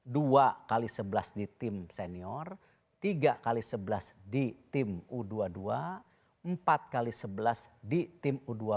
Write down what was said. dua x sebelas di tim senior tiga x sebelas di tim u dua puluh dua empat x sebelas di tim u dua puluh